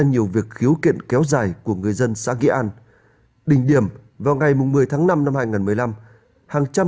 những yếu kiện kéo dài của người dân xã nghệ an đình điểm vào ngày một mươi tháng năm năm hai nghìn một mươi năm hàng trăm